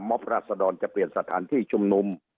ราศดรจะเปลี่ยนสถานที่ชุมนุม